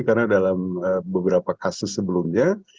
karena dalam beberapa kasus ini